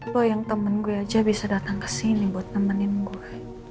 lo yang temen gue aja bisa datang ke sini buat nemenin gue